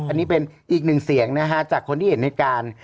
อันนี้เป็นอีกหนึ่งเสียงนะฮะจากคนที่เห็นเหตุการณ์